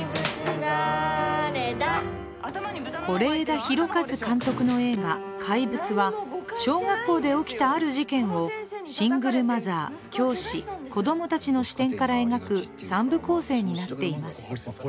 是枝裕和監督の映画「怪物」は小学校で起きたある事件をシングルマザー、教師、子供たちの視点から描く三部構成になっています。